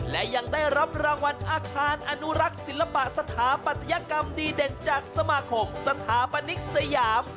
และยังได้รับรางวัลอาคารอนุรักษ์ศิลปะสถาปัตยกรรมดีเด่นจากสมาคมสถาปนิกสยาม